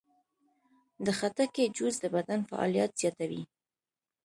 د خټکي جوس د بدن فعالیت زیاتوي.